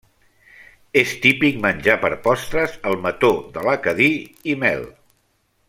És típic menjar per postres el mató de la Cadí i mel.